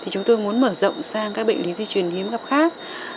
chúng tôi muốn mở rộng sang các bệnh lý di truyền hiếm gặp khác